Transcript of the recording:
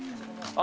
あ